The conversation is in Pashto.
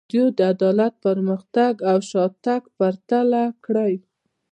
ازادي راډیو د عدالت پرمختګ او شاتګ پرتله کړی.